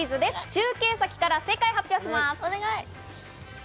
中継先から正解を発表します。